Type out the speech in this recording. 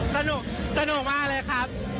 สนุกสนุกมากเลยครับ